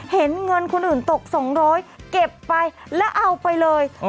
เห็นเงินคนอื่นตก๒๐๐เก็บไปแล้วเอาไปเลย